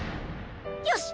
よし！